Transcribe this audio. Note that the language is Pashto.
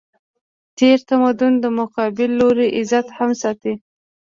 غیرتمند د مقابل لوري عزت هم ساتي